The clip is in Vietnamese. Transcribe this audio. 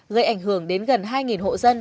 gây ảnh hưởng đến gần hai hộ dân